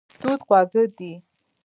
توت خواږه دی.